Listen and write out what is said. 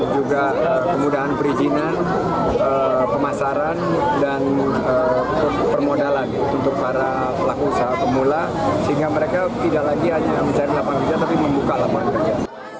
juga kemudahan perizinan pemasaran dan permodalan untuk para pelaku usaha pemula sehingga mereka tidak lagi hanya mencari lapangan kerja tapi membuka lapangan kerja